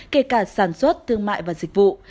kể cả sản xuất thương mại và dịch vụ